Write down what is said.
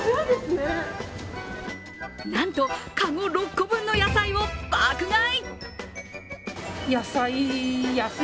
なんと籠６個分の野菜を爆買い！